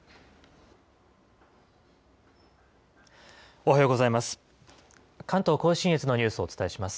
おはようございます。